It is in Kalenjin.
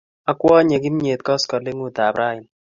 Akwonye kimnyet koskoling'ut ap raini